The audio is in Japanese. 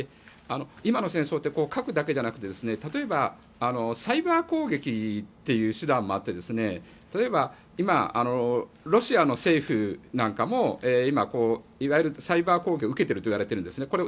今の戦争って核だけじゃなくて例えば、サイバー攻撃っていう手段もあって例えば、今ロシアの政府なんかも今、いわゆるサイバー攻撃を受けているといわれているんですね。